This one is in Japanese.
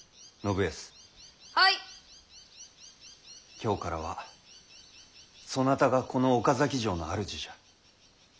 今日からはそなたがこの岡崎城の主じゃ。